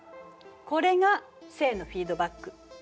これが正のフィードバック。